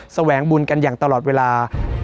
แสวงบุญกันอย่างตลอดเวลา